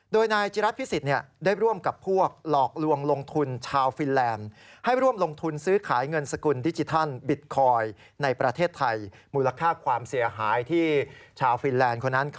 โดยนายจิรัสพิศิตได้ร่วมกับพวก